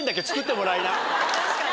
確かに。